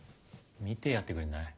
見てやってくれない？